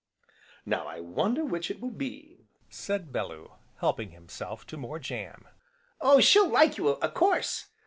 "Now I wonder which it will be," said Bellew, helping himself to more jam. "Oh, she'll like you, a course!"